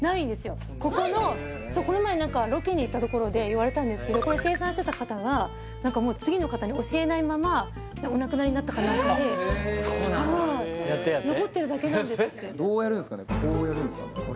ここのこの前何かロケに行ったところで言われたんですけどこれ生産してた方が何かもう次の方に教えないままお亡くなりになったか何かでそうなんだ残ってるだけなんですってどうやるんですかねこうやるんですかね